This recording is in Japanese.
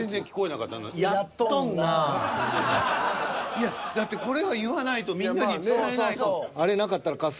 いやだってこれは言わないとみんなに伝えないと。